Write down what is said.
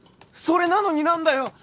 それなのに何だよ？